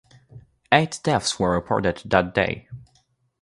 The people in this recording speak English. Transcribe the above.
Eight deaths were reported that day.